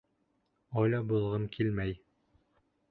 «Оля булғым килмәй»..